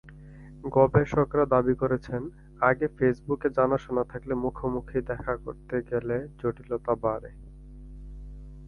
গবেষকেরা দাবি করেছেন, আগে ফেসবুকে জানাশোনা থাকলে মুখোমুখি দেখা করতে গেলে জটিলতা বাড়ে।